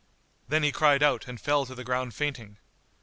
Then he cried out and fell to the ground fainting.